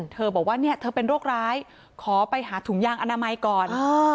เธอบอกว่าเนี่ยเธอเป็นโรคร้ายขอไปหาถุงยางอนามัยก่อน